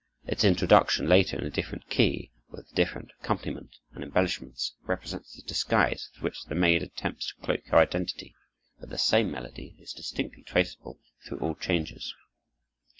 Its introduction later in a different key, with different accompaniment and embellishments, represents the disguise with which the maid attempts to cloak her identity, but the same melody is distinctly traceable through all changes.